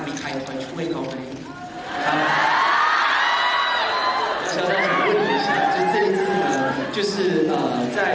มีใครคอยช่วยเขาไหม